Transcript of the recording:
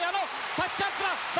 タッチアップだ。